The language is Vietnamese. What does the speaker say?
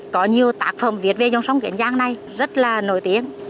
có nhiều tác phẩm viết về dòng sông kiến giang này rất là nổi tiếng